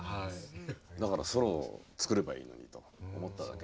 だからソロ作ればいいのにと思っただけ。